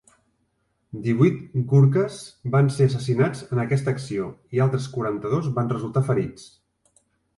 Divuit Gurkhas van ser assassinats en aquesta acció i altres quaranta-dos van resultar ferits.